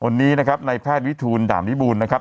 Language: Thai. วันนี้นะครับในแพทย์วิทูลด่ามวิบูรณ์นะครับ